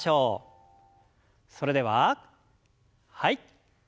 それでははい。